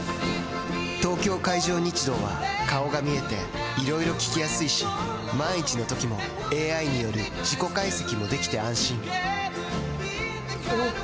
東京海上日動は顔が見えていろいろ聞きやすいし万一のときもＡＩによる事故解析もできて安心おぉ！